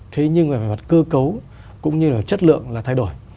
thế nhưng về mặt cơ cấu cũng như là chất lượng là thay đổi